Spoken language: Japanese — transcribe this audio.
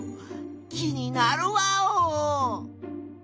気になるワオ！